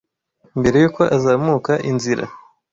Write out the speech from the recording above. Mbere yuko azamuka inzira -